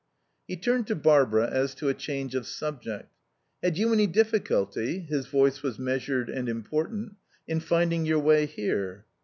He turned to Barbara as to a change of subject. "Had you any difficulty" (his voice was measured and important) "in finding your way here?"